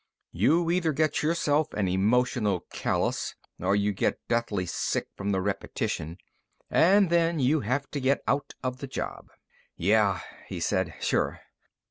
You either get yourself an emotional callous or you get deathly sick from the repetition and then you have to get out of the job." "Yeah," he said. "Sure."